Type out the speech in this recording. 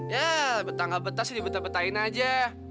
ya betah gak betah sih dibetah betahin aja